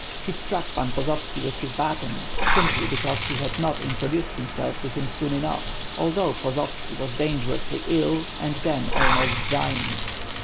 He struck Pan Pozovski with his baton, simply because he had not introduced himself to him soon enough, although Pozovski was dangerously ill and then almost dying.